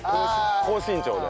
高身長で。